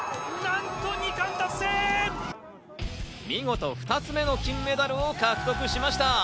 見事２つ目の金メダルを獲得しました。